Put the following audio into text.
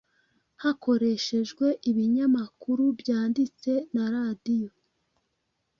hakoreshejwe ibinyamakuru byanditse na radiyo.